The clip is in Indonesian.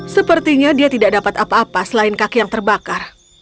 sepertinya dia tidak dapat apa apa selain kaki yang terbakar